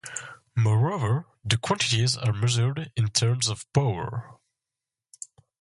Moreover, the quantities are measured in terms of power.